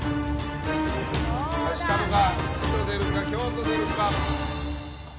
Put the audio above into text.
足したのが吉と出るか凶と出るか。